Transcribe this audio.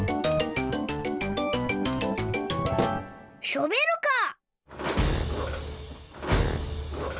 ショベルカー。